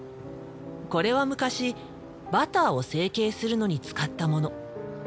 これは昔バターを成型するのに使ったもの。